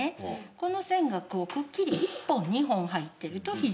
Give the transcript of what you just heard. この線がくっきり１本２本入ってると非常にいいんですけど。